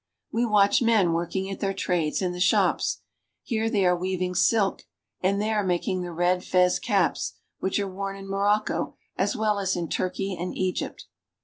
We watch men working at their trades in the shops. Here they are weaving silk, and there making the red Fez caps, which are worn in Morocco as well as in Turkey and Egypt.